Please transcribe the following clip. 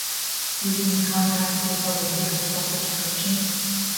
Using his contacts to the public, he helped stop the destruction.